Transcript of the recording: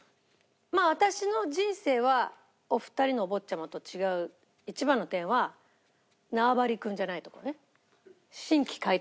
まあ私の人生はお二人のお坊ちゃまと違う一番の点は縄張り君じゃないところね。